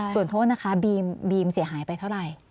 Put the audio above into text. ส่วนโทษนะคะบีมเสียหายไปเท่าไหร่